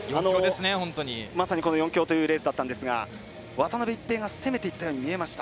まさに４強というレースだったんですが渡辺一平が攻めていったように見えました。